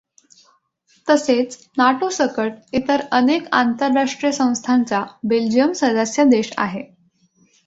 तसेच नाटोसकट इतर अनेक आंतरराष्ट्रीय संस्थांचा बेल्जियम सदस्य देश आहे.